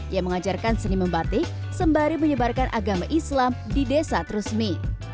yang mengajarkan seni membatik sembari menyebarkan agama islam di desa trusmi